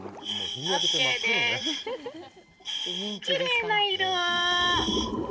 きれいな色。